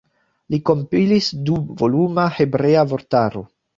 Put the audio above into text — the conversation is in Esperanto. Li kompilis du-voluma hebrea vortaro.